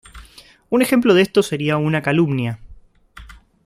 Un ejemplo de esto sería una calumnia.